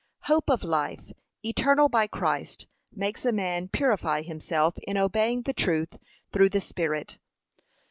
Hope of life, eternal by Christ, makes a man purify himself in obeying the truth through the Spirit.